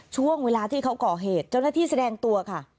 ช่วงเวลาที่เขาก่อเหตุเจ้าหน้าที่แสดงตัวค่ะ